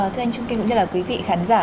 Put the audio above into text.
thưa anh chương trình cũng như là quý vị khán giả